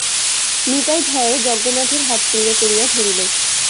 নিতাই ভয়ে যজ্ঞনাথের হাত দৃঢ় করিয়া ধরিল।